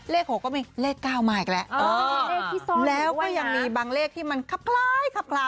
เลขหกก็มีเลขเก้ามาอีกแล้วอ๋อแล้วก็ยังมีบางเลขที่มันครับคล้ายครับคล้า